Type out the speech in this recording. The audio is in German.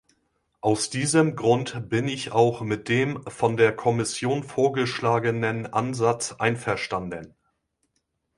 Aus diesem Grund bin ich auch mit dem von der Kommission vorgeschlagenen Ansatz einverstanden.